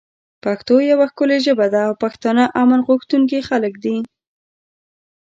پښتو یوه ښکلی ژبه ده او پښتانه امن غوښتونکی خلک دی